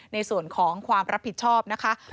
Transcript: ในส่วนของความรับผิดชอบนะคะ